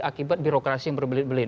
akibat birokrasi yang berbelin belin